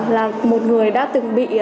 là một người đã từng bị